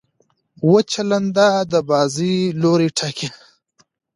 وچه لنده د بازۍ لوری ټاکي.